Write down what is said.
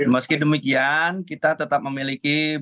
meski demikian kita tetap memiliki